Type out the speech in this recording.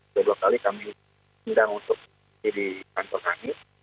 dua dua kali kami pindah untuk di kantor kami